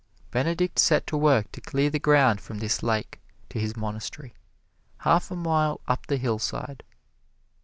Benedict set to work to clear the ground from this lake to his monastery, half a mile up the hillside.